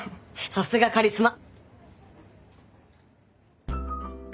さすがカリスマ！